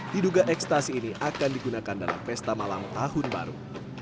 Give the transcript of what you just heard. diduga ekstasi ini akan digunakan dalam pesta malam tahun baru